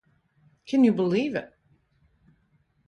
Can you believe it?